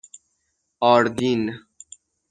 آردین